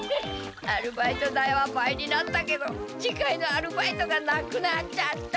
アルバイト代は倍になったけど次回のアルバイトがなくなっちゃった。